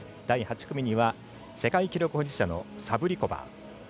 第８組には世界記録保持者のサブリコバー。